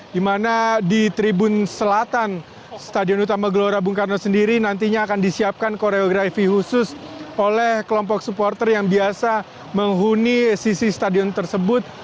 di mana di tribun selatan stadion utama gelora bung karno sendiri nantinya akan disiapkan koreografi khusus oleh kelompok supporter yang biasa menghuni sisi stadion tersebut